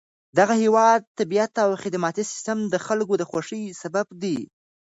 دغه هېواد طبیعت او خدماتي سیستم د خلکو د خوښۍ سبب دی.